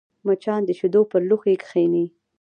مچان د شیدو پر لوښي کښېني